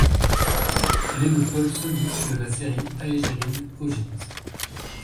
Elle est le pôle sodique de la série Aegirine - augite.